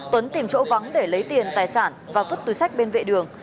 tuấn tìm chỗ vắng để lấy tiền tài sản và vứt túi sách bên vệ đường